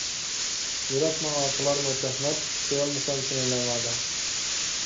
يۈرەك ماڭا قىلارمۇ تۆھمەت، سۆيەلمىسەم سىنى ناۋادا.